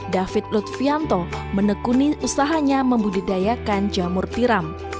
david lutfianto menekuni usahanya membudidayakan jamur tiram